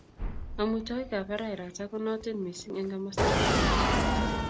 Amitwogiikab araraita ko nootin missing eng komastab pwani.